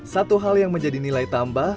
satu hal yang menjadi nilai tambah